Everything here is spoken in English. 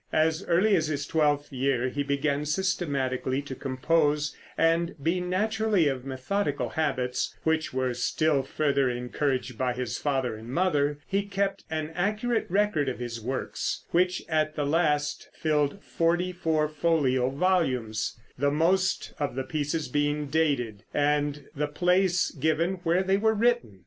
As early as his twelfth year he began systematically to compose, and being naturally of methodical habits, which were still further encouraged by his father and mother, he kept an accurate record of his works, which at the last filled forty four folio volumes, the most of the pieces being dated, and the place given where they were written.